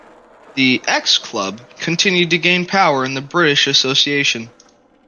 The "X Club" continued to gain power in the British Association.